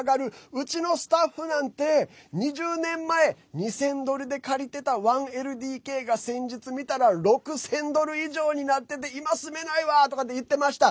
うちのスタッフなんて２０年前２０００ドルで借りてた１ＬＤＫが先日見たら６０００ドル以上になってて今、住めないわって言ってました。